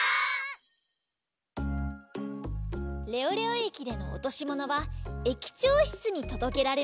レオレオ駅でのおとしものは駅長しつにとどけられます